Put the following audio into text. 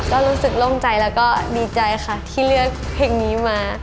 ก็รู้สึกโล่งใจแล้วก็ดีใจค่ะที่เลือกเพลงนี้มา